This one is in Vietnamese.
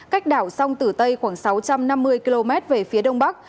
cách đảo sông tử tây khoảng sáu trăm năm mươi km về phía đông bắc